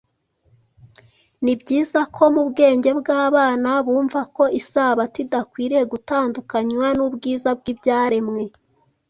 Ni byiza ko mu bwenge bw’abana bumva ko Isabato idakwiriye gutandukanywa n’ubwiza bw’ibyaremwe.